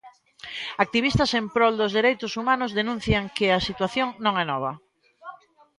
Activistas en prol dos dereitos humanos denuncian que a situación non é nova.